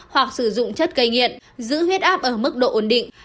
hoặc sử dụng chất gây nghiện giữ huyết áp ở mức độ ổn định